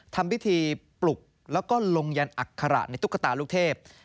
ทำพิธีปลุกแล้วก็ลงยันอัคระในตุ๊กตาลูกเทพ